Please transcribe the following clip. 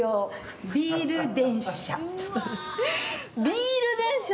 ビール電車！？